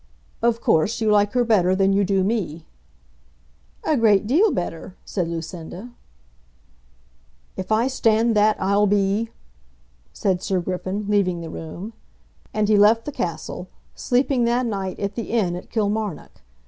"Of course, you like her better than you do me." "A great deal better," said Lucinda. "If I stand that I'll be ," said Sir Griffin, leaving the room. And he left the castle, sleeping that night at the inn at Kilmarnock.